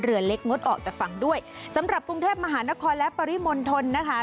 เรือเล็กงดออกจากฝั่งด้วยสำหรับกรุงเทพมหานครและปริมณฑลนะคะ